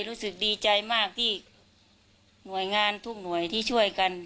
รู้สึกดีใจมากที่หน่วยงานทุกหน่วยที่ช่วยกัน